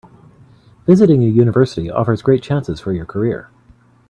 Visiting a university offers great chances for your career.